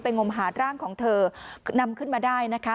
งมหาดร่างของเธอนำขึ้นมาได้นะคะ